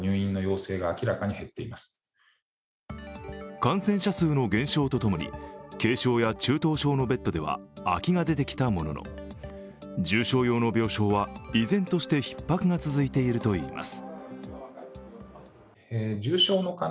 感染者数の減少とともに、軽症や中等症用のベッドでは空きが出てきたものの重症用の病床は依然としてひっ迫が続いているといいます。